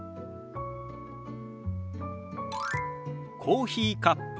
「コーヒーカップ」。